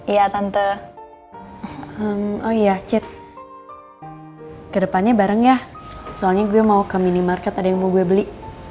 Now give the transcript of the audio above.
iya tante oh iya chat ke depannya bareng ya soalnya gue mau ke minimarket ada yang mau gue beli